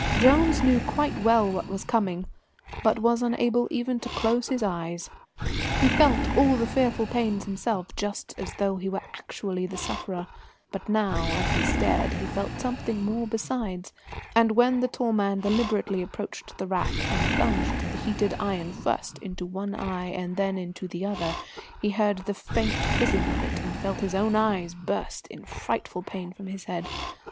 Jones knew quite well what was coming, but was unable even to close his eyes. He felt all the fearful pains himself just as though he were actually the sufferer; but now, as he stared, he felt something more besides; and when the tall man deliberately approached the rack and plunged the heated iron first into one eye and then into the other, he heard the faint fizzing of it, and felt his own eyes burst in frightful pain from his head.